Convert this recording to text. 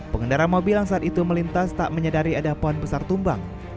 pengendara mobil yang saat itu melintas tak menyadari ada pohon besar tumbang